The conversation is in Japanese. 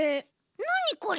なにこれ？